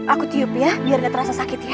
aku tiup ya biar gak terasa sakit ya